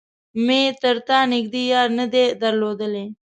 مې تر تا نږدې يار نه دی درلودلی.